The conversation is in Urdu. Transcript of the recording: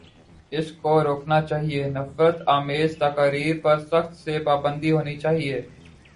اس کو روکنا چاہیے، نفرت آمیز تقاریر پر سختی سے پابندی ہونی چاہیے۔